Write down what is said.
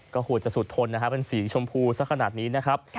ก็โหดจะสุดทนนะฮะเป็นสีชมพูสักขนาดนี้นะครับ